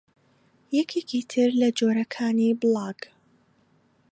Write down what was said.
یەکێکی ترە لە جۆرەکانی بڵاگ